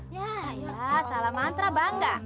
ya ayolah salah mantra bangga